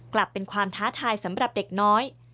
กลับเป็นความท้าทายสำหรับเด็กน้อย